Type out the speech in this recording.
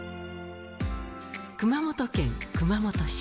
熊本県熊本市。